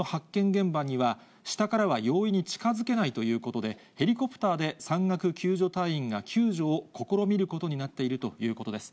現場には、下からは容易に近づけないということで、ヘリコプターで山岳救助隊員が救助を試みることになっているということです。